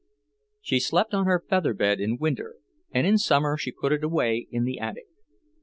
She slept on her feather bed in winter, and in summer she put it away in the attic.